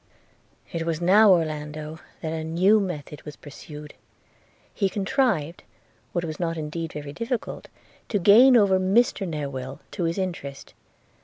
'It was now, Orlando, that a new method was pursued. He contrived, what was not indeed very difficult, to gain over Mr Newill to his interest.